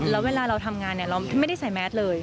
แล้วเวลาเราทำงานเราไม่ได้ใส่แมสเลย